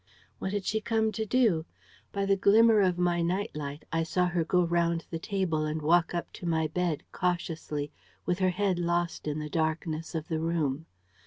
"What had she come to do? By the glimmer of my night light I saw her go round the table and walk up to my bed, cautiously, with her head lost in the darkness of the room.